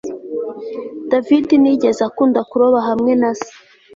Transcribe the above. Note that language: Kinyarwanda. David ntiyigeze akunda kuroba hamwe na se